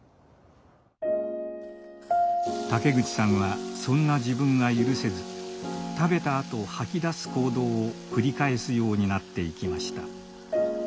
竹口さんはそんな自分が許せず食べたあと吐き出す行動を繰り返すようになっていきました。